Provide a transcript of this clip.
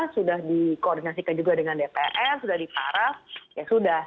sudah di koordinasikan juga dengan dpr sudah di para ya sudah